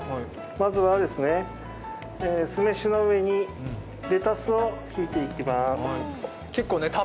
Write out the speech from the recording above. まずは酢飯の上にレタスを敷いていきます。